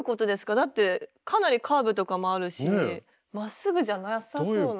だってかなりカーブとかもあるしまっすぐじゃなさそうな。